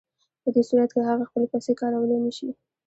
په دې صورت کې هغه خپلې پیسې کارولی نشي